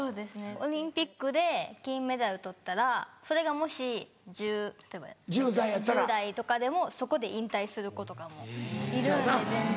オリンピックで金メダル取ったらそれがもし１０代とかでもそこで引退する子とかもいるので全然。